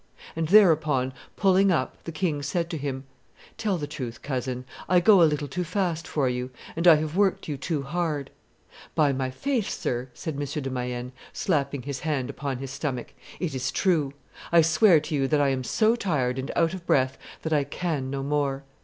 And thereupon pulling up, the king said to him, 'Tell the truth, cousin, I go a little too fast for you; and I have worked you too hard.' 'By my faith, sir,' said M. de Mayenne, slapping his hand upon his stomach, 'it is true; I swear to you that I am so tired and out of breath that I can no more.